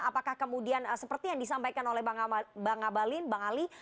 apakah kemudian seperti yang disampaikan oleh bang abalin bang ali